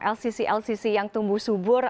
lcc lcc yang tumbuh subur